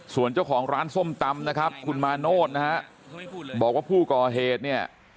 ส่วนเจ้าของร้านส้มตำนะครับคุณมาโนธนะฮะบอกว่าผู้ก่อเหตุเนี่ย